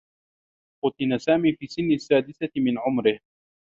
خُتن سامي في سنّ السّادسة من عمره.